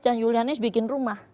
dan yulianis bikin rumah